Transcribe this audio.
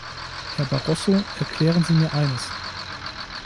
Herr Barroso, erklären Sie mir eines.